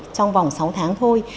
trong vòng sáu tháng thôi